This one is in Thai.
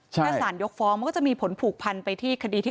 ถ้าสารยกฟ้องมันก็จะมีผลผูกพันไปที่คดีที่